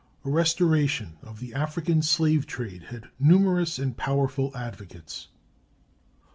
A restoration of the African slave trade had numerous and powerful advocates.